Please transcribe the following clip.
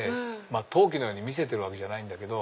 陶器のように見せてるわけじゃないんだけど。